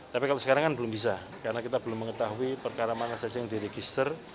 tapi kalau sekarang kan belum bisa karena kita belum mengetahui perkara mana saja yang diregister